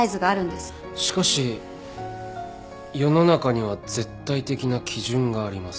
しかし世の中には絶対的な基準があります。